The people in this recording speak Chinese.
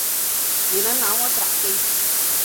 你能拿我咋地？